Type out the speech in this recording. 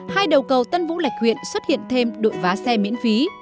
hai đầu cầu tân vũ lạch huyện xuất hiện thêm đội vá xe miễn phí